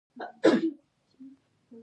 ليک ولې نه رالېږې؟